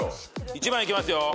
１番いきますよ。